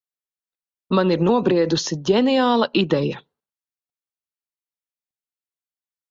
Man ir nobriedusi ģeniāla ideja.